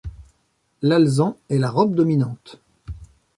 L'alezan est la robe dominante.